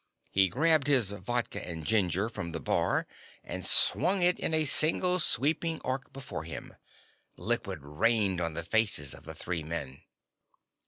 He grabbed his vodka and ginger from the bar and swung it in a single sweeping arc before him. Liquid rained on the faces of the three men.